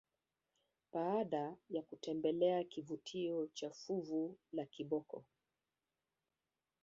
Baada ya kutembelea kivutio cha fuvu la kiboko